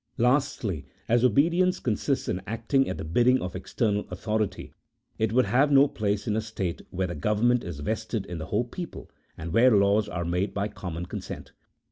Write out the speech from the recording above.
Lastly, as obedience consists in acting at the bidding of external authority, it would have no place in a state where the government is vested in the whole people, and where laws are made by common consent.